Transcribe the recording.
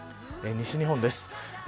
西日本です。